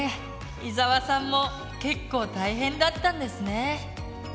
伊沢さんも結構大変だったんですね。